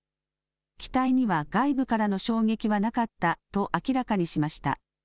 機体には外部からの衝撃はなかったと明らかにしました。